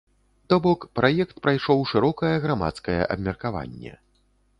То бок, праект прайшоў шырокае грамадскае абмеркаванне.